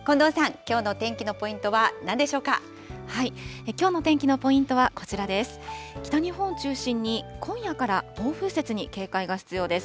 きょうの天気のポイントはこちらです。